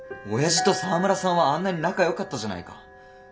親父と沢村さんはあんなに仲よかったじゃないか。